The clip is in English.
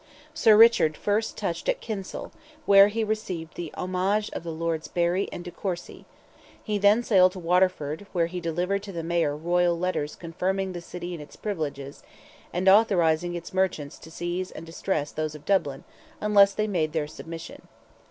Sir Richard first touched at Kinsale, where he received the homage of the Lords Barry and de Courcy; he then sailed to Waterford, where he delivered to the Mayor royal letters confirming the city in its privileges, and authorizing its merchants to seize and distress those of Dublin, unless they made their submission.